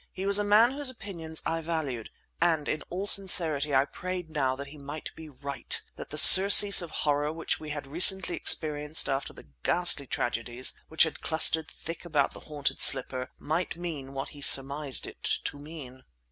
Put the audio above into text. He was a man whose opinions I valued, and in all sincerity I prayed now that he might be right; that the surcease of horror which we had recently experienced after the ghastly tragedies which had clustered thick about the haunted slipper, might mean what he surmised it to mean.